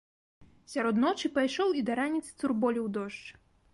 Сярод ночы пайшоў і да раніцы цурболіў дождж.